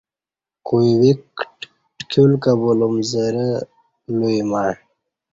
کوئی ویک ٹکیول کہ بولوم زرہ لوئی مع